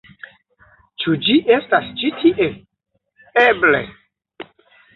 Ĉu ĝi estas ĉi tie? Eble?